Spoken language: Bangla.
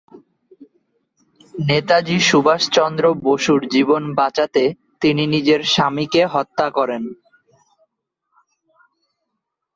নেতাজী সুভাষচন্দ্র বসুর জীবন বাঁচাতে তিনি নিজের স্বামীকে হত্যা করেন।